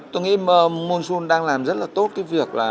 tôi nghĩ monsul đang làm rất là tốt cái việc là